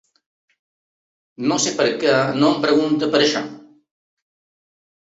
No sé per què no em pregunta per això?